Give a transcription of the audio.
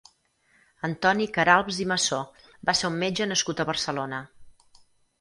Antoni Caralps i Massó va ser un metge nascut a Barcelona.